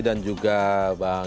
dan juga mbak yati